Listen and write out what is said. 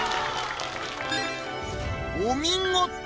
お見事！